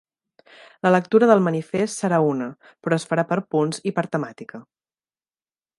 La lectura del manifest serà una, però es farà per punts i per temàtica.